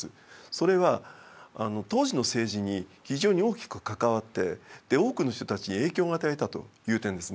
それは当時の政治に非常に大きく関わって多くの人たちに影響を与えたという点ですね。